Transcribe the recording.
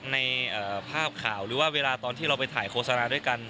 ในภาพข่าวหรือว่าเวลาตอนที่เราไปถ่ายโฆษณาด้วยกัน